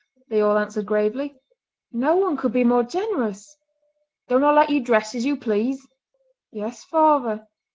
they all answered gravely, "no one could be more generous!" "Don't I let you dress as you please?" "Yes, father!"